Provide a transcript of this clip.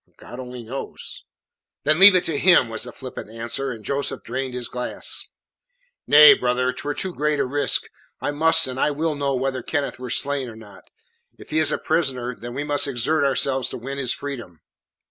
"God only knows." "Then leave it to Him," was the flippant answer; and Joseph drained his glass. "Nay, brother, 'twere too great a risk. I must and I will know whether Kenneth were slain or not. If he is a prisoner, then we must exert ourselves to win his freedom."